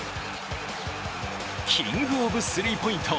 キング・オブ・スリーポイント